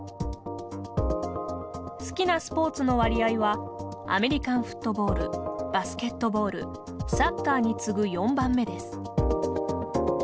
好きなスポーツの割合はアメリカンフットボールバスケットボールサッカーに次ぐ４番目です。